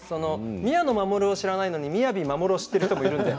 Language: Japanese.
宮野真守を知らないのに雅マモルを知ってる人がいるんです。